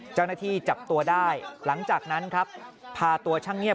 เจ้าหน้าที่จับตัวได้หลังจากนั้นครับพาตัวช่างเงียบ